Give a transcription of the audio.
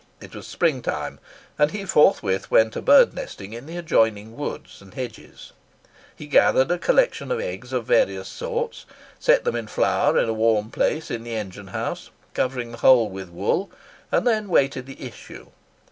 It was spring time, and he forthwith went a birdnesting in the adjoining woods and hedges. He gathered a collection of eggs of various sorts, set them in flour in a warm place in the engine house, covering the whole with wool, and then waited the issue.